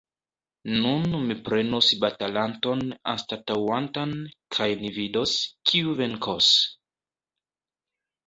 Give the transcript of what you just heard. Nun mi prenos batalanton anstataŭantan, kaj ni vidos, kiu venkos!